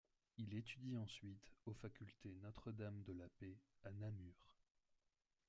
Il étudie ensuite aux facultés Notre-Dame de la Paix à Namur.